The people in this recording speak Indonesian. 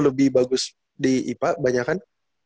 lebih bagus di ipa banyak kan